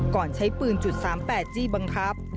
ก่อนใช้ปืน๓๘จี้บังคับ